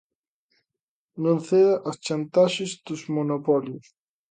Non ceda ás chantaxes dos monopolios.